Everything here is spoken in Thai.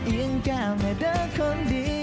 ยังแก้มให้เดินคนดี